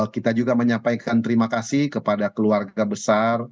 kita juga menyampaikan terima kasih kepada keluarga besar